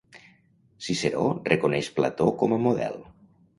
Ciceró reconeix Plató com a model.